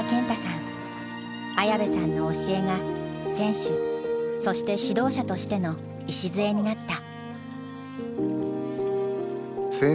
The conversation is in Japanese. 綾部さんの教えが選手そして指導者としての礎になった。